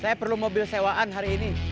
saya perlu mobil sewaan hari ini